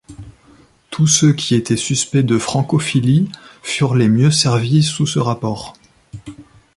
Tous ceux qui étaient suspects de francophilie, furent les mieux servis sous ce rapport.